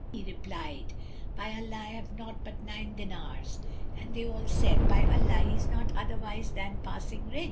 He replied, "By Allah, I have naught but nine dinars." And they all said, "By Allah, he is not otherwise than passing rich!"